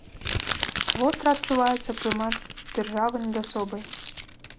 Востра адчуваецца прымат дзяржавы над асобай.